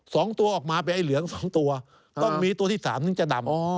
สองตัวออกมาเป็นไอ้เหลืองสองตัวต้องมีตัวที่สามถึงจะดำอ๋อ